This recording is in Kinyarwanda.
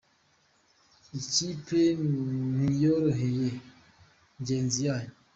Ikipe ntiyoroheye njyenzi yayo